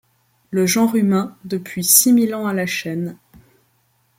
Le genre humain, depuis six mille ans à la chaîne